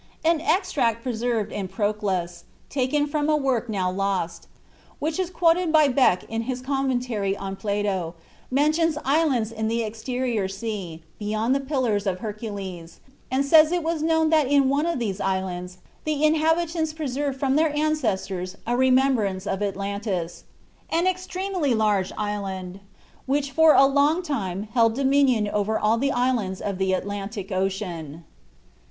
An extract preserved in Proclus, taken from a work now lost, which is quoted by Boeckh in his commentary on Plato, mentions islands in the exterior sea, beyond the Pillars of Hercules, and says it was known that in one of these islands "the inhabitants preserved from their ancestors a remembrance of Atlantis, an extremely large island, which for a long time held dominion over all the islands of the Atlantic Ocean."